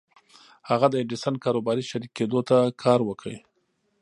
هغه د ايډېسن کاروباري شريک کېدو ته کار وکړ.